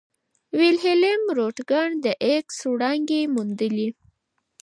ویلهلم رونټګن د ایکس وړانګې وموندلې.